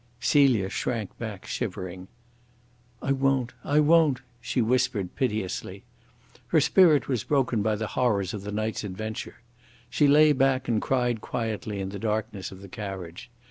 Celia shrank back, shivering. "I won't! I won't!" she whispered piteously. Her spirit was broken by the horrors of the night's adventure. She lay back and cried quietly in the darkness of the carriage.